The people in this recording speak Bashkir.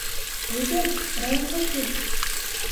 Әйҙә, районға кил.